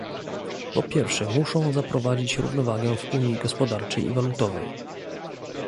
Po pierwsze muszą zaprowadzić równowagę w Unii Gospodarczej i Walutowej